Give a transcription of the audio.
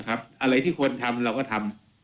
อะไรที่ควรทำเราก็ทำ